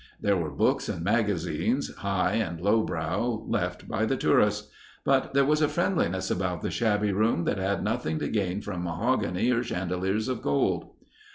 There were books and magazines—high and low brow, left by the tourists. But there was a friendliness about the shabby room that had nothing to gain from mahogany or chandeliers of gold.